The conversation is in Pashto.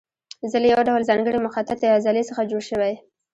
زړه له یو ډول ځانګړې مخططې عضلې څخه جوړ شوی.